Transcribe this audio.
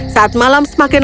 saat malam semakin